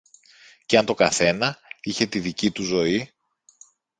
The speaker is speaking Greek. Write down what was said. Κι αν το καθένα είχε τη δική του ζωή